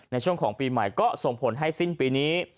ในช่วงของปีใหม่ก็ส่งผลให้สิ้นปีนี้